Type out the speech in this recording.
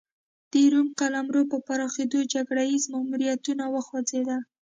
د روم قلمرو په پراخېدو جګړه ییز ماموریتونه وغځېدل